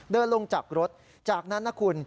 เดินลงจากรถจากนั้นนะคุณ